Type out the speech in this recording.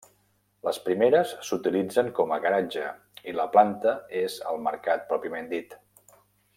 Les primeres s'utilitzen com a garatge i la planta és el mercat pròpiament dit.